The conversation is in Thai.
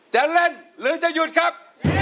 จะเล่นหรือจะหยุดครับ